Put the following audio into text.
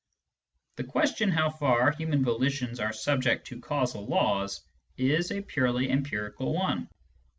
The question how far human volitions are subject to causal laws is a purely empirical one.